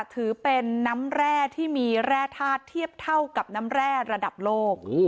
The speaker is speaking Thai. ถือเป็นน้ำแร่ที่มีแร่ธาตุเทียบเท่ากับน้ำแร่ระดับโลก